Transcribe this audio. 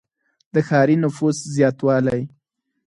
• د ښاري نفوس زیاتوالی.